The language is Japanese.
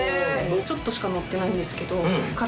ちょっとしか乗ってないんですけど。